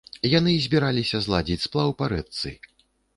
Яны збіраліся зладзіць сплаў па рэчцы.